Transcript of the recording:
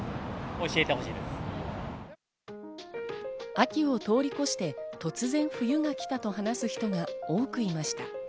秋を通り越して、突然冬がきたと話す人が多くいました。